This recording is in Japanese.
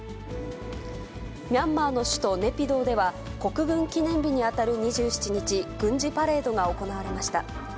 ミャンマーの首都ネピドーでは、国軍記念日に当たる２７日、軍事パレードが行われました。